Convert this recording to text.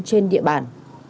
trên địa bàn